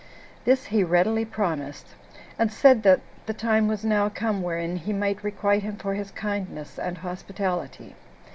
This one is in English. This he readily promised; and said that the time was now come wherein he might requite him for his kindness and hospitality.